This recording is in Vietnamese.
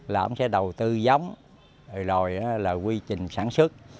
là ông sẽ đầu tư giống rồi là quy trình sản xuất